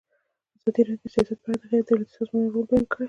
ازادي راډیو د سیاست په اړه د غیر دولتي سازمانونو رول بیان کړی.